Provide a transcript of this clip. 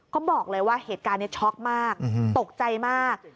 ก็บอกเลยว่าเหตุการณ์นี้ช็อกมากตกใจมาก